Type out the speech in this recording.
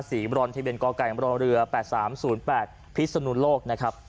สีบรอนที่เป็นกอไก่อำราเรือ๘๓๐๘พิษสนุนโลกนะครับ